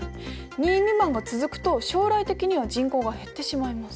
２未満が続くと将来的には人口が減ってしまいます。